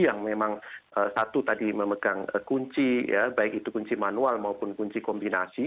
yang memang satu tadi memegang kunci ya baik itu kunci manual maupun kunci kombinasi